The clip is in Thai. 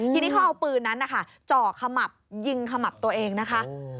ทีนี้เขาเอาปืนนั้นนะคะจ่อขมับยิงขมับตัวเองนะคะ